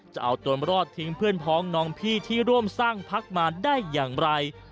จะเอาตัวรอดทิ้งเพื่อนพ้องน้องพี่ที่ร่วมสร้างพักมาได้อย่างไร